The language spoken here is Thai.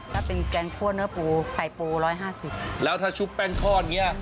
ถ้าเป็นแกงคั่วเนื้อปูไข่ปู๑๕๐แล้วถ้าชุกแป้งทอดอย่างนี้